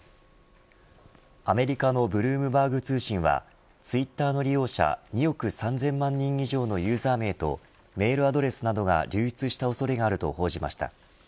アメリカのブルームバーグ通信はツイッターの利用者２億３０００万人以上のユーザー名とメールアドレスなどが流出した恐れがあると報じました。